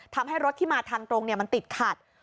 ทำให้รถที่มาทางตรงมันติดขัด